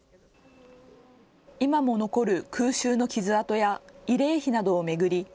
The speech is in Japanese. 今も残る空襲の傷痕や慰霊碑などを巡り